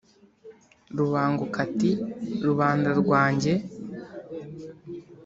Rubanguka ati: rubanda rwanjye.